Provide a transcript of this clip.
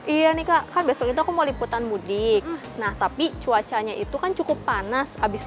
iya nikah kan besok itu aku mau liputan mudik nah tapi cuacanya itu kan cukup panas habis